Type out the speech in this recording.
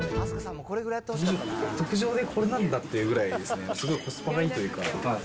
特上でこれなんだっていうぐらい、すごいコスパがいいというか。